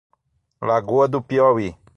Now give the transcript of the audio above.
Lagoa do Piauí